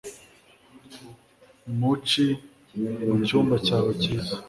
Mu ci mucyumba cyawe cyiza